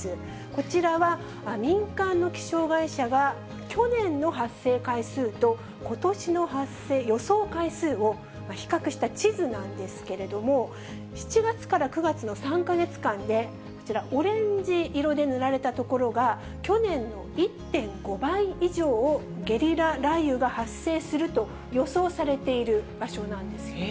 こちらは、民間の気象会社が去年の発生回数とことしの発生予想回数を比較した地図なんですけれども、７月から９月の３か月間で、こちら、オレンジ色で塗られた所が、去年の１．５倍以上、ゲリラ雷雨が発生すると予想されている場所なんです。